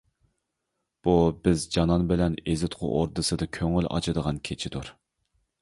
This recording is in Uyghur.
بۇ بىز جانان بىلەن ئېزىتقۇ ئوردىسىدا كۆڭۈل ئاچىدىغان كېچىدۇر.